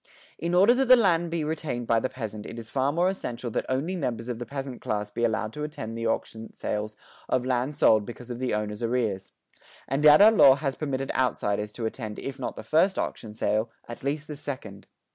In order that the land be retained by the peasant it is far more essential that only members of the peasant class be allowed to attend the auction sales of land sold because of the owner's arrears. And yet our law has permitted outsiders to attend if not the first auction sale, at least the second.